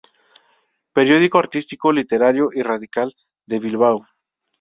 Periódico artístico, literario y radical de Bilbao".